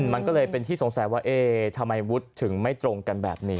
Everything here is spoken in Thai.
มันก็เลยเป็นที่สงสัยว่าเอ๊ทำไมวุฒิถึงไม่ตรงกันแบบนี้